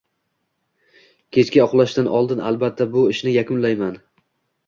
Kechga uxlashdan oldin albatta bu ishni yakunlayman